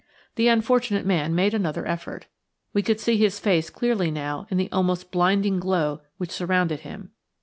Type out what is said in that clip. The unfortunate man made another effort. We could see his face clearly now in the almost blinding glow which surrounded him.